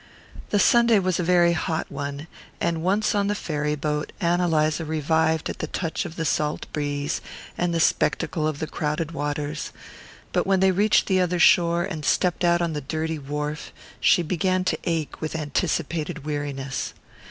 The Sunday was a very hot one, and once on the ferry boat Ann Eliza revived at the touch of the salt breeze, and the spectacle of the crowded waters; but when they reached the other shore, and stepped out on the dirty wharf, she began to ache with anticipated weariness.